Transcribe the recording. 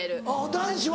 男子は？